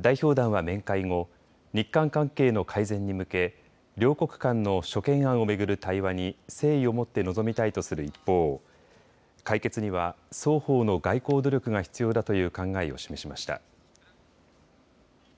代表団は面会後、日韓関係の改善に向け両国間の諸懸案を巡る対話に誠意を持って臨みたいとする一方、解決には双方の外交努力が必要だという考えを示しました。